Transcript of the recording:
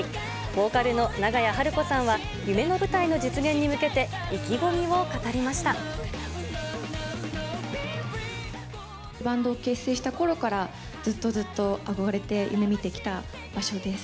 ボーカルの長屋晴子さんは、夢の舞台の実現に向けて、意気込バンドを結成したころから、ずっとずっと憧れて、夢みてきた場所です。